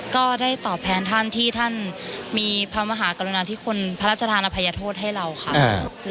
ก็ได้ตอบแทนท่านที่ท่านมีพระมหากรุณาธิคุณพระราชธานอภัยโทษให้เราค่ะ